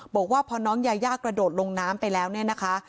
บอกว่าพอน้องยายากระโดดลงน้ำไปแล้วเนี่ยนะคะ